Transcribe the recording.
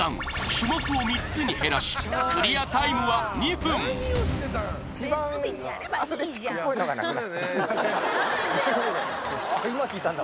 種目を３つに減らしクリアタイムは２分あっそうなんだ